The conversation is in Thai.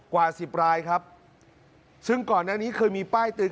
กว่าสิบรายครับซึ่งก่อนหน้านี้เคยมีป้ายเตือน